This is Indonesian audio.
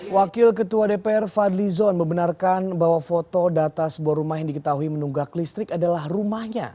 wakil ketua dpr fadli zon membenarkan bahwa foto data sebuah rumah yang diketahui menunggak listrik adalah rumahnya